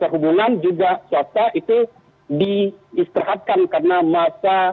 perhubungan juga swasta itu diistirahatkan karena masa